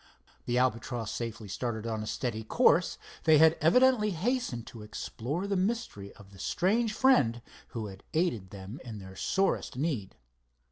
The Albatross safely started on a steady course, they had evidently hastened to explore the mystery of the strange friend who had aided them in their sorest need.